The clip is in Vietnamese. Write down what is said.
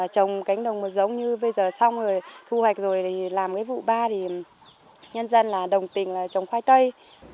trồng cánh đồng một giống như bây giờ xong rồi thu hoạch rồi thì làm cái vụ ba thì nhân dân là đồng tình là trồng khoai tây